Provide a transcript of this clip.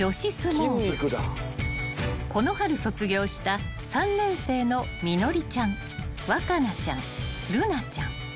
［この春卒業した３年生の仁愛ちゃん羽華那ちゃんるなちゃん］